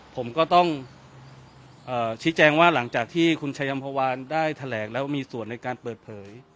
ผมก็ต้องชี้แจงว่าหลังจากที่คุณชายัมภาวานได้แถลงแล้วมีส่วนในการเปิดเผย